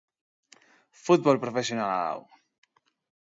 Futbol profesionala da hau!